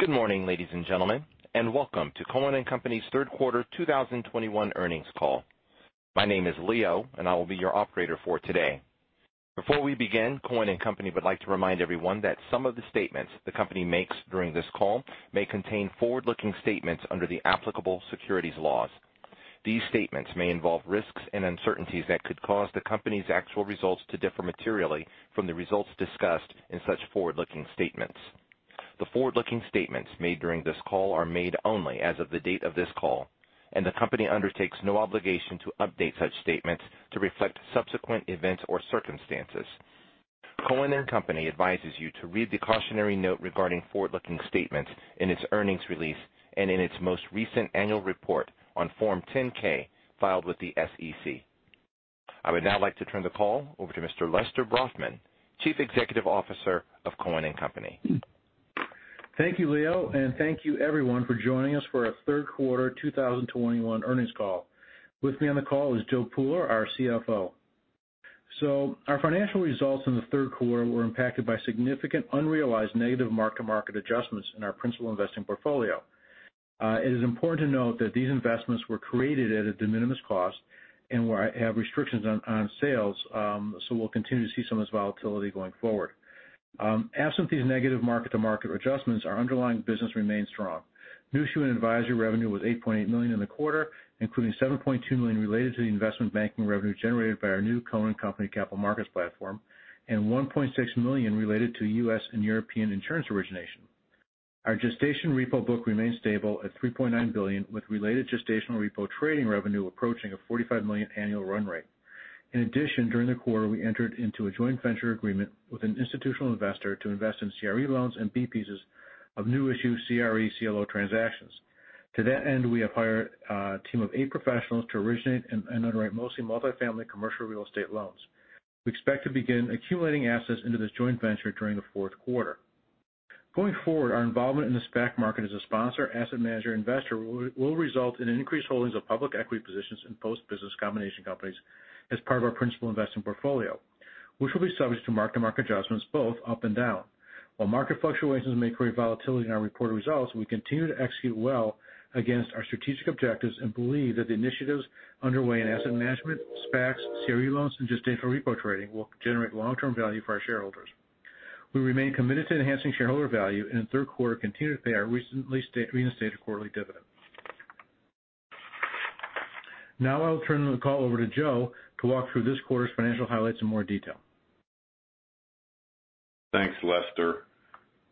Good morning, ladies and gentlemen, and welcome to Cohen & Company's Q3 2021 earnings call. My name is Leo, and I will be your operator for today. Before we begin, Cohen & Company would like to remind everyone that some of the statements the company makes during this call may contain forward-looking statements under the applicable securities laws. These statements may involve risks and uncertainties that could cause the company's actual results to differ materially from the results discussed in such forward-looking statements. The forward-looking statements made during this call are made only as of the date of this call, and the company undertakes no obligation to update such statements to reflect subsequent events or circumstances. Cohen & Company advises you to read the cautionary note regarding forward-looking statements in its earnings release and in its most recent annual report on Form 10-K filed with the SEC. I would now like to turn the call over to Mr. Lester Brafman, Chief Executive Officer of Cohen & Company. Thank you, Leo, and thank you, everyone, for joining us for our Q3 2021 earnings call. With me on the call is Joe Pooler, our CFO. Our financial results in the Q3 were impacted by significant unrealized negative mark-to-market adjustments in our principal investing portfolio. It is important to note that these investments were created at a de minimis cost and that I have restrictions on sales. We'll continue to see some of this volatility going forward. Absent these negative mark-to-market adjustments, our underlying business remains strong. New issue and advisory revenue was $8.8 million in the quarter, including $7.2 million related to the investment banking revenue generated by our new Cohen & Company Capital Markets platform and $1.6 million related to U.S. and European insurance origination. Our Gestation Repo book remains stable at $3.9 billion, with related Gestation Repo trading revenue approaching a $45 million annual run rate. In addition, during the quarter, we entered into a joint venture agreement with an institutional investor to invest in CRE loans and B-pieces of new issue CRE CLO transactions. To that end, we have hired a team of 8 professionals to originate and underwrite mostly multifamily commercial real estate loans. We expect to begin accumulating assets into this joint venture during the fourth quarter. Going forward, our involvement in the SPAC market as a sponsor, asset manager, investor will result in increased holdings of public equity positions in post business combination companies as part of our principal investing portfolio, which will be subject to mark-to-market adjustments both up and down. While market fluctuations may create volatility in our reported results, we continue to execute well against our strategic objectives and believe that the initiatives underway in asset management, SPACs, CRE loans and Gestation Repo trading will generate long-term value for our shareholders. We remain committed to enhancing shareholder value, and in Q3 continued to pay our recently reinstated quarterly dividend. Now I'll turn the call over to Joe to walk through this quarter's financial highlights in more detail. Thanks, Lester.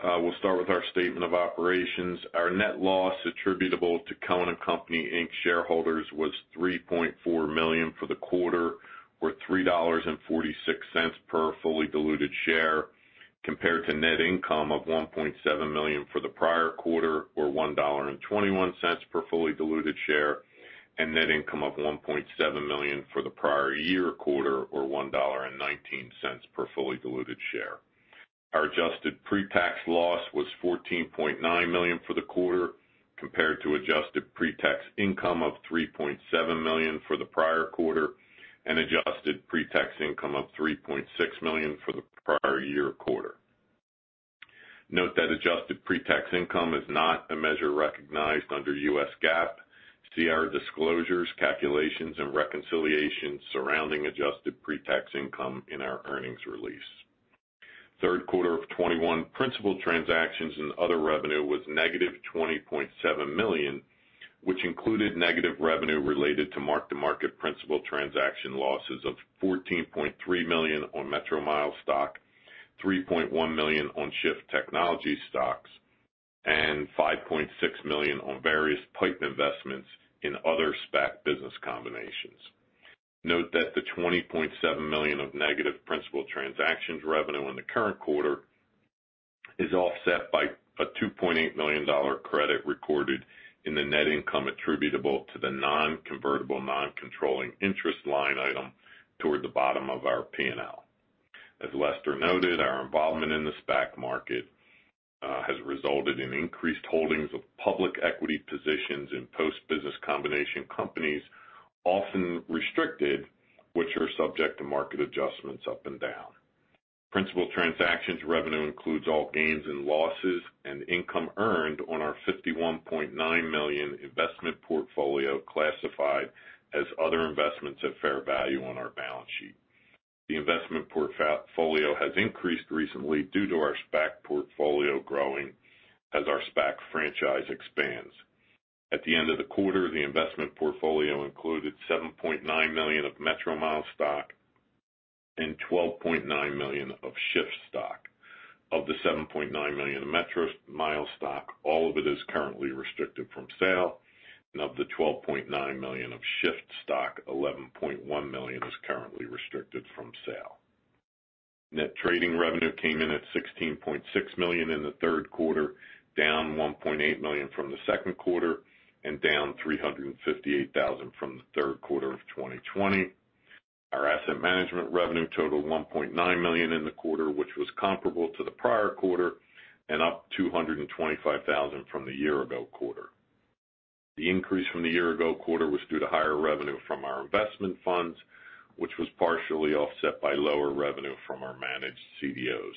We'll start with our statement of operations. Our net loss attributable to Cohen & Company Inc. shareholders was $3.4 million for the quarter, or $3.46 per fully diluted share, compared to net income of $1.7 million for the prior quarter, or $1.21 per fully diluted share, and net income of $1.7 million for the prior year quarter, or $1.19 per fully diluted share. Our adjusted pre-tax loss was $14.9 million for the quarter, compared to adjusted pre-tax income of $3.7 million for the prior quarter and adjusted pre-tax income of $3.6 million for the prior year quarter. Note that adjusted pre-tax income is not a measure recognized under U.S. GAAP. See our disclosures, calculations, and reconciliations surrounding adjusted pre-tax income in our earnings release. Q3 of 2021 principal transactions and other revenue were negative $20.7 million, which included negative revenue related to mark-to-market principal transaction losses of $14.3 million on Metromile stock, $3.1 million on Shift Technologies stock, and $5.6 million on various PIPE investments in other SPAC business combinations. Note that the $20.7 million of negative principal transactions revenue in the current quarter is offset by a $2.8 million credit recorded in the net income attributable to the non-convertible non-controlling interest line item toward the bottom of our P&L. As Lester noted, our involvement in the SPAC market has resulted in increased holdings of public equity positions in post-business combination companies, often restricted, which are subject to market adjustments up and down. Principal transactions revenue includes all gains and losses and income earned on our $51.9 million investment portfolio classified as other investments at fair value on our balance sheet. The investment portfolio has increased recently due to our SPAC portfolio growing as our SPAC franchise expands. At the end of the quarter, the investment portfolio included $7.9 million of Metromile stock and $12.9 million of Shift stock. Of the $7.9 million of Metromile stock, all of it is currently restricted from sale, and of the $12.9 million of Shift stock, $11.1 million is currently restricted from sale. Net trading revenue came in at $16.6 million in Q3, down $1.8 million from Q2 and down $358,000 from Q3 of 2020. Our asset management revenue totaled $1.9 million in the quarter, which was comparable to the prior quarter and up $225,000 from the year-ago quarter. The increase from the year-ago quarter was due to higher revenue from our investment funds, which was partially offset by lower revenue from our managed CDOs.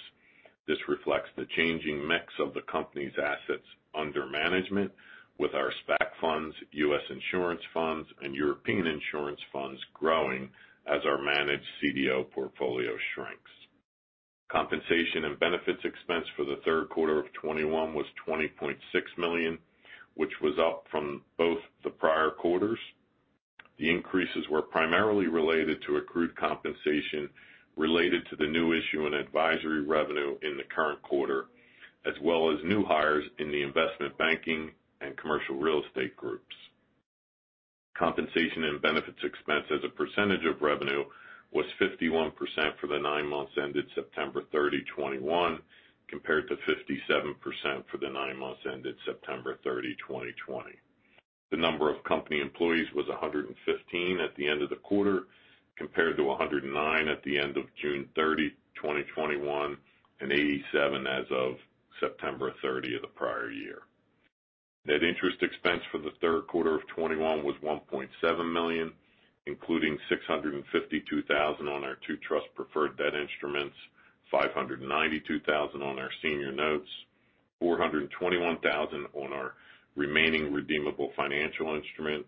This reflects the changing mix of the company's assets under management with our SPAC funds, U.S. insurance funds, and European insurance funds growing as our managed CDO portfolio shrinks. Compensation and benefits expense for Q3 of 2021 was $20.6 million, which was up from both the prior quarters. The increases were primarily related to accrued compensation related to the new issue and advisory revenue in the current quarter, as well as new hires in the investment banking and commercial real estate groups. Compensation and benefits expense as a percentage of revenue was 51% for the nine months ended September 30, 2021, compared to 57% for the nine months ended September 30, 2020. The number of company employees was 115 at the end of the quarter, compared to 109 at the end of June 30, 2021, and 87 as of September 30 of the prior year. Net interest expense for the Q3 of 2021 was $1.7 million, including $652 thousand on our two trust preferred debt instruments, $592 thousand on our senior notes, $421 thousand on our remaining redeemable financial instrument,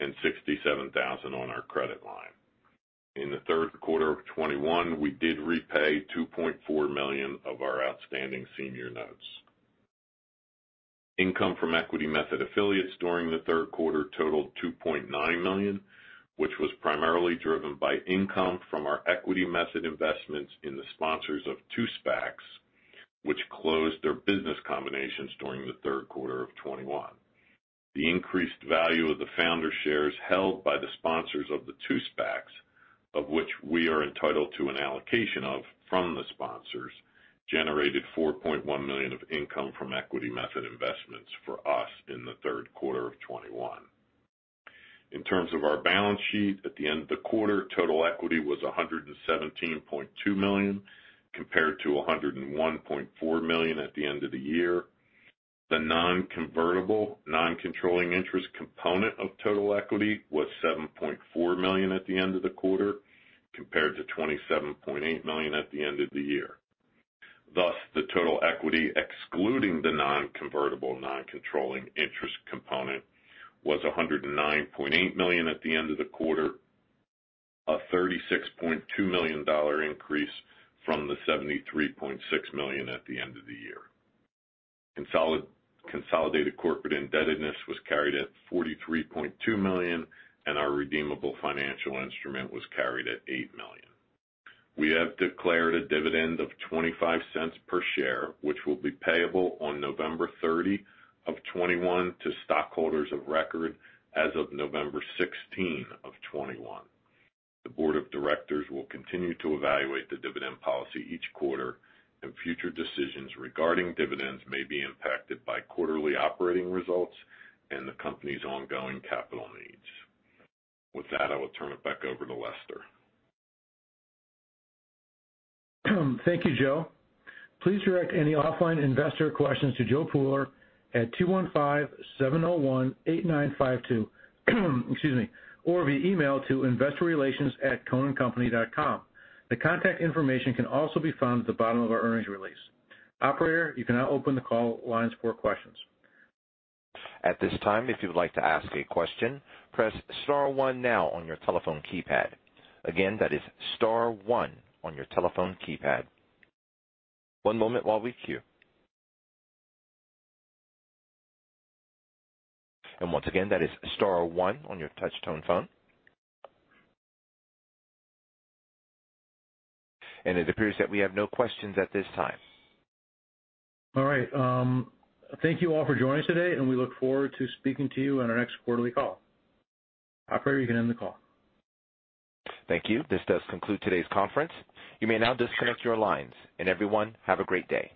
and $67 thousand on our credit line. In Q3 of 2021, we did repay $2.4 million of our outstanding senior notes. Income from equity method affiliates during the Q3 totaled $2.9 million, which was primarily driven by income from our equity method investments in the sponsors of two SPACs, which closed their business combinations during the Q3 of 2021. The increased value of the founder shares held by the sponsors of the two SPACs, of which we are entitled to an allocation from the sponsors, generated $4.1 million of income from equity method investments for us in Q3 of 2021. In terms of our balance sheet, at the end of the quarter, total equity was $117.2 million, compared to $101.4 million at the end of the year. The non-convertible, non-controlling interest component of total equity was $7.4 million at the end of the quarter, compared to $27.8 million at the end of the year. Thus, the total equity excluding the non-convertible, non-controlling interest component was $109.8 million at the end of the quarter, a $36.2 million increase from the $73.6 million at the end of the year. Consolidated corporate indebtedness was carried at $43.2 million, and our redeemable financial instrument was carried at $8 million. We have declared a dividend of $0.25 per share, which will be payable on November 30, 2021, to stockholders of record as of November 16, 2021. The board of directors will continue to evaluate the dividend policy each quarter, and future decisions regarding dividends may be impacted by quarterly operating results and the company's ongoing capital needs. With that, I will turn it back over to Lester. Thank you, Joe. Please direct any offline investor questions to Joe Pooler at 215-701-8952. Excuse me. Or via email to investorrelations@cohenandcompany.com. The contact information can also be found at the bottom of our earnings release. Operator, you can now open the call lines for questions. At this time, if you would like to ask a question, press star 1 now on your telephone keypad. Again, that is star 1 on your telephone keypad. One moment while we queue. Once again, that is star 1 on your touchtone phone. It appears that we have no questions at this time. All right, thank you all for joining us today, and we look forward to speaking to you on our next quarterly call. Operator, you can end the call. Thank you. This does conclude today's conference. You may now disconnect your lines. Everyone, have a great day.